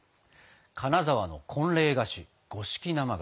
金沢の婚礼菓子五色生菓子。